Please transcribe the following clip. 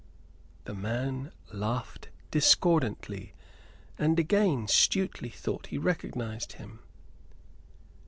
The man laughed discordantly; and again Stuteley thought he recognized him.